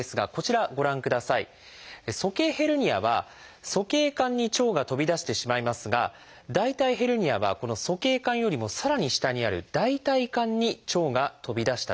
鼠径ヘルニアは鼠径管に腸が飛び出してしまいますが大腿ヘルニアはこの鼠径管よりもさらに下にある大腿管に腸が飛び出した状態です。